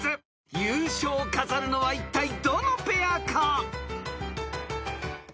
［優勝を飾るのはいったいどのペアか？］